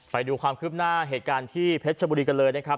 ไปดูความคืบหน้าเหตุการณ์ที่เพชรชบุรีกันเลยนะครับ